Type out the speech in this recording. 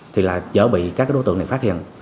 thì là chở bị các đối tượng này phát hiện